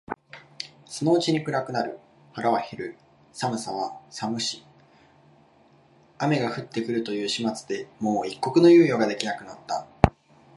そのうちに暗くなる、腹は減る、寒さは寒し、雨が降って来るという始末でもう一刻の猶予が出来なくなった